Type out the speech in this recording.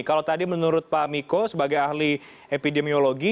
kalau tadi menurut pak miko sebagai ahli epidemiologi